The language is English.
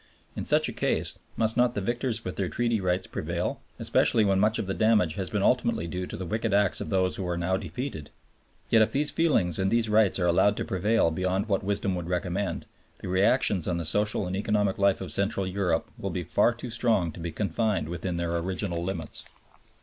In such a case must not the victors with their Treaty rights prevail, especially when much of the damage has been ultimately due to the wicked acts of those who are now defeated? Yet if these feelings and these rights are allowed to prevail beyond what wisdom would recommend, the reactions on the social and economic life of Central Europe will be far too strong to be confined within their original limits.